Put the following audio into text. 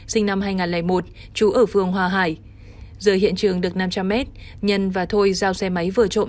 sinh năm hai nghìn một chú ở phường hòa hải giờ hiện trường được năm trăm linh mét nhân và thôi giao xe máy vừa trộm